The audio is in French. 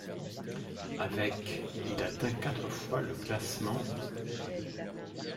Avec ', il atteint quatre fois le classement '.